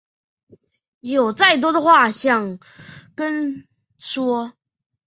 有再多话想跟说